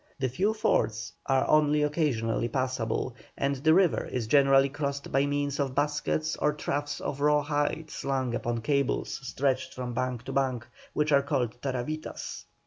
The few fords are only occasionally passable, and the river is generally crossed by means of baskets or troughs of raw hide slung upon cables stretched from bank to bank, which are called "taravitas."